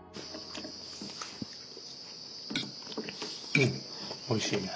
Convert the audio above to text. うんおいしいね。